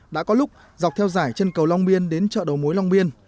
đã có lúc dọc theo dải chân cầu long biên đến chợ đầu mối long biên